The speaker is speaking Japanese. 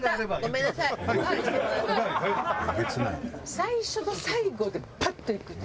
最初と最後でパッといくって。